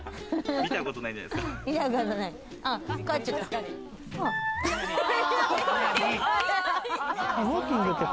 見たことないんじゃないんですか？